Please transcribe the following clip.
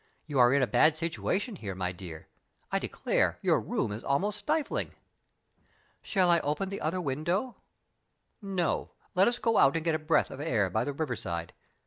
You are in a bad situation here, my dear; I declare your room is almost stifling." "Shall I open the other window?" "No; let us go out and get a breath of air by the river side.